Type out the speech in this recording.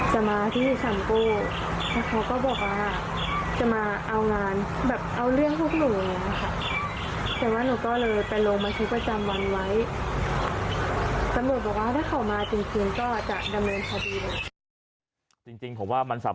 จริงผมว่ามันสามารถดำเนินคดีได้นะครับ